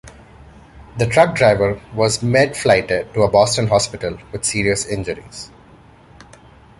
The truck driver was med-flighted to a Boston hospital with serious injuries.